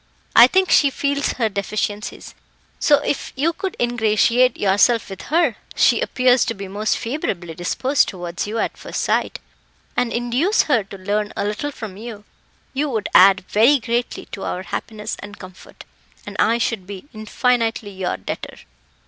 I think she feels her deficiencies; so if you could ingratiate yourself with her she appears to be most favourably disposed towards you at first sight and induce her to learn a little from you, you would add very greatly to our happiness and comfort, and I should be infinitely your debtor."